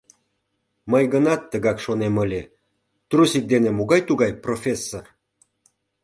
Мый гынат тыгак шонем ыле: трусик дене могай-тугай профессор?